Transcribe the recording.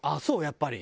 やっぱり。